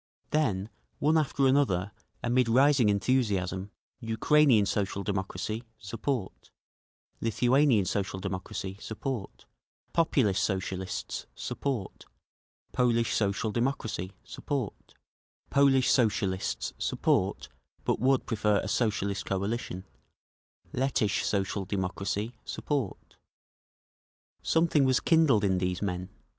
Then one after another, amid rising enthusiasm; Ukrainean Social Democracy, support; Lithuanian Social Democracy, support; Populist Socialists, support; Polish Social Democracy, support; Polish Socialists support—but would prefer a Socialist coalition; Lettish Social Democracy, support…. Something was kindled in these men.